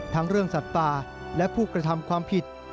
ทั้งเรื่องสัตว์ป่าและผู้กระทำความผิด